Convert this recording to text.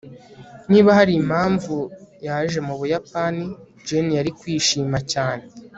niba hari impamvu yaje mu buyapani, jane yari kwishima cyane